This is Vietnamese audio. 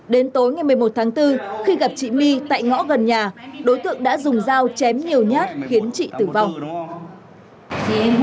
đến tối ngày một mươi một tháng bốn khi gặp chị my tại ngõ gần nhà đối tượng đã dùng dao chém nhiều nhát khiến chị tử vong